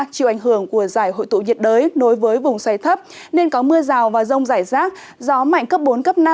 chịu ảnh hưởng của giải hội tụ nhiệt đới nối với vùng xoay thấp nên có mưa rào và rông rải rác gió mạnh cấp bốn cấp năm